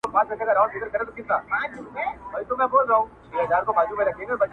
نه یې له تیارې نه له رڼا سره!!